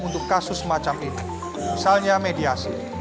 untuk kasus semacam ini misalnya mediasi